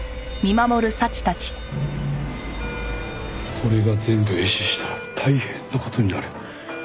これが全部壊死したら大変な事になる。